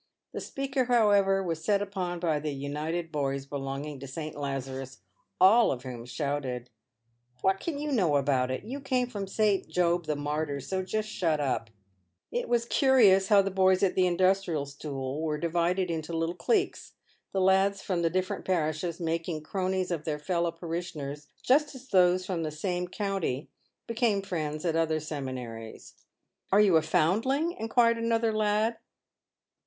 The speaker, however, was set upon by the united boys belonging to 'St. Lazarus, all of whom shouted, " What can you know about it"; you came from St. Job the Martyr, so just shut up !" It was curious how the boys at the Industrial School were divided into little cliques, the lads from the different parishes making cronies of their fellow parishioners just as those from the same county become friends at other seminaries. " Are you a foundling ?" inquired another lad.